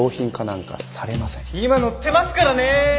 今乗ってますからね。